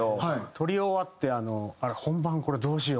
録り終わって「本番これどうしよう」。